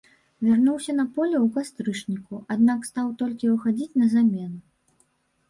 Вярнуўся на поле ў кастрычніку, аднак стаў толькі выхадзіць на замену.